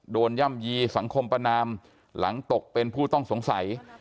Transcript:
ย่ำยีสังคมประนามหลังตกเป็นผู้ต้องสงสัย